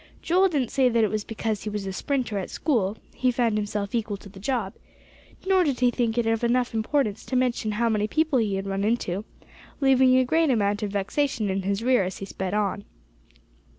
Joel didn't say that it was because he was a sprinter at school, he found himself equal to the job; nor did he think it of enough importance to mention how many people he had run into, leaving a great amount of vexation in his rear as he sped on.